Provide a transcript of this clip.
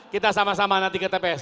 kita sama sama nanti ke tps